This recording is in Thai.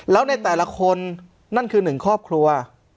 แล้วในแต่ละคนนั่นคือหนึ่งครอบครัว